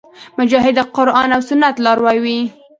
مجاهد د قرآن او سنت لاروی وي.